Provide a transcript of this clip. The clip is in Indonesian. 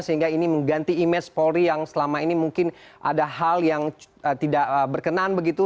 sehingga ini mengganti image polri yang selama ini mungkin ada hal yang tidak berkenan begitu